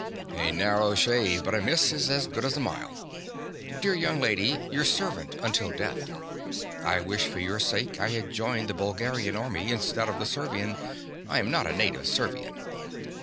A narrow shave; but a miss is as good as a mile. Dear young lady, your servant until death. I wish for your sake I had joined the Bulgarian army instead of the Servian. I am not a native Servian.